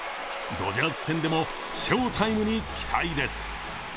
ドジャース戦でも翔タイムに期待です。